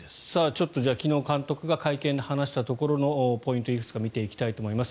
ちょっと昨日監督が会見で話したところのポイントをいくつか見ていきたいと思います。